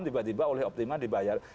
tiba tiba oleh optimal dibayar